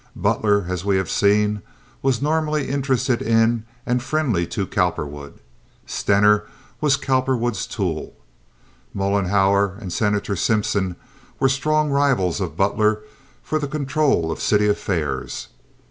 Butler, as we have seen, was normally interested in and friendly to Cowperwood. Stener was Cowperwood's tool. Mollenhauer and Senator Simpson were strong rivals of Butler for the control of city affairs.